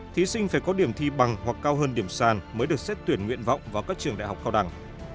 thí sinh phải có điểm thi bằng hoặc cao hơn điểm sàn mới được xét tuyển nguyện vọng vào các trường đại học cao đẳng